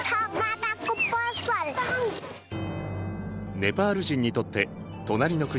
ネパール人にとって隣の国